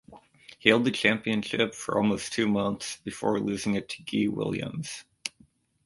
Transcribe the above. He held the championship for almost two months, before losing it to Guy Williams.